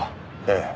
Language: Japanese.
ええ。